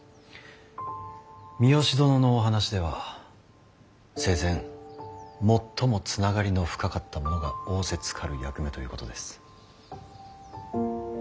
三善殿のお話では生前最も繋がりの深かった者が仰せつかる役目ということです。